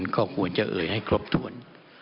ก็ควรจะเอ่ยให้ครบถ้วน